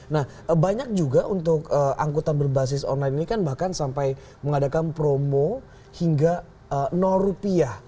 nah banyak juga untuk angkutan berbasis online ini kan bahkan sampai mengadakan promo hingga rupiah